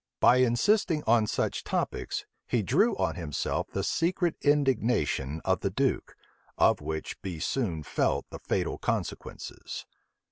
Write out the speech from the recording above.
By insisting on such topics, he drew on himself the secret indignation of the duke, of which be soon felt the fatal consequences.